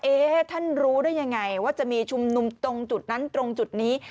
ท่านรู้ได้ยังไงว่าจะมีชุมนุมตรงจุดนั้นตรงจุดนี้